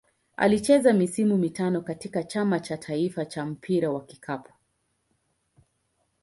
Alicheza misimu mitano katika Chama cha taifa cha mpira wa kikapu.